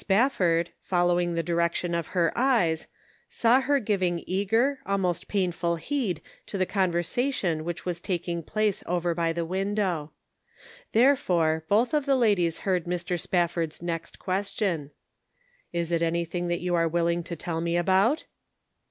Spafford, following the direction of her eyes, saw her giving eager, almost painful heed to the conversation which was taking place over by the window. Therefore, both of the ladies heard Mr. Spafford's next question : Measuring Responsibility. 397 " Is it anything that you are willing to tell me about